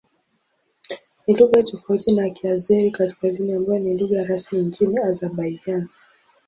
Ni lugha tofauti na Kiazeri-Kaskazini ambayo ni lugha rasmi nchini Azerbaijan.